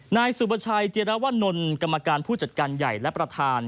นายสุประชัยเจรวนลกรรมการผู้จัดการใหญ่และประธาน